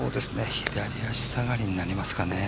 左足下がりになりますかね。